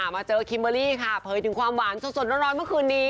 มาเจอคิมเบอร์รี่ค่ะเผยถึงความหวานสดร้อนเมื่อคืนนี้